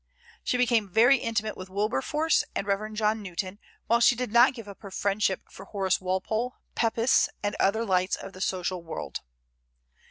She became very intimate with Wilberforce and Rev. John Newton, while she did not give up her friendship for Horace Walpole, Pepys, and other lights of the social world.